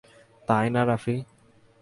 তাই না, রাফি?